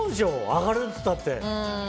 上がるっていったって。